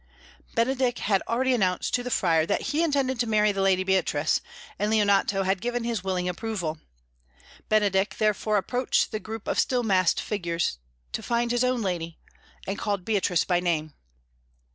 Benedick had already announced to the Friar that he intended to marry the lady Beatrice, and Leonato had given his willing approval. Benedick therefore approached the group of still masked figures to find his own lady, and called Beatrice by name.